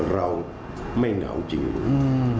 เราไม่เหงาจริงอืม